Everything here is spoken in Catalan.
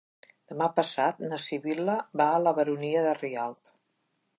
Demà passat na Sibil·la va a la Baronia de Rialb.